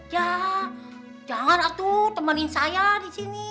ya jangan atuh temanin saya di sini